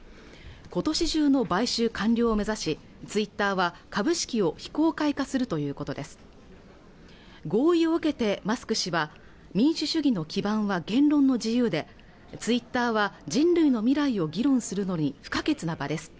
今年中の買収完了を目指しツイッターは株式を非公開化するということです合意を受けてマスク氏は民主主義の基盤は言論の自由でツイッターは人類の未来を議論するのに不可欠な場です